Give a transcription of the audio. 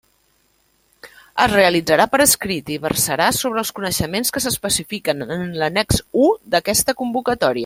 Es realitzarà per escrit i versarà sobre els coneixements que s'especifiquen en l'annex u d'aquesta convocatòria.